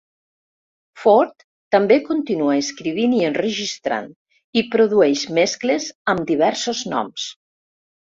Forte també continua escrivint i enregistrant, i produeix mescles amb diversos noms.